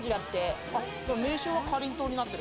名称はかりんとうになってる。